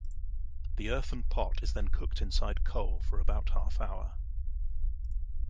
The earthen pot is then cooked inside coal for about half hour.